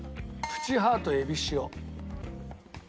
プチハートえびしお。